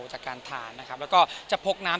จากการทานแล้วก็จะพกน้ำ